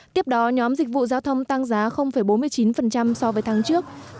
tiếp đó nhóm dịch vụ giao thông tăng giá bốn mươi chín so với tháng trước